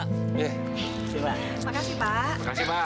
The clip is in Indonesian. terima kasih pak